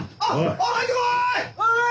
おい入ってこい！